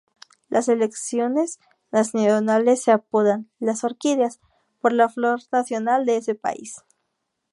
La selecciones nacionales se apodan "Las Orquídeas" por la flor nacional de ese país.